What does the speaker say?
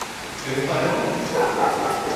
배고파요?